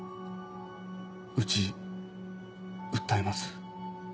うち訴えます？